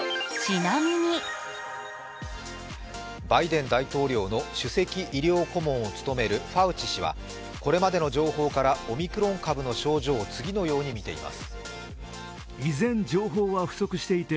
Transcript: バイデン大統領の首席医療顧問を務めるファウチ氏はこれまでの情報からオミクロン株の症状を次のように見ています。